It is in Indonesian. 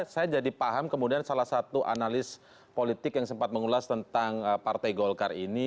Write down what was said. saya jadi paham kemudian salah satu analis politik yang sempat mengulas tentang partai golkar ini